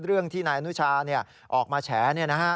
เรื่องที่นายอนุชาออกมาแฉ